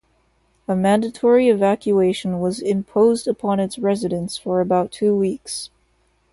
A mandatory evacuation was imposed upon its residents for about two weeks.